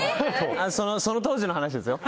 その当時の話ですよ。